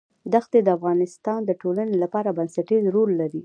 دښتې د افغانستان د ټولنې لپاره بنسټيز رول لري.